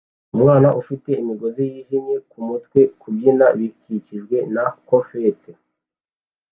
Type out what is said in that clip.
Umwana ufite imigozi yijimye kumutwe kubyina bikikijwe na confetti